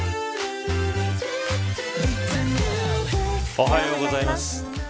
おはようございます。